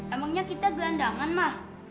emangnya kita gelandangan mah